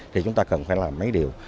thì chúng ta cần phải làm mấy điều